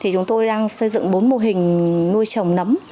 chúng tôi đang xây dựng bốn mô hình nuôi trồng nấm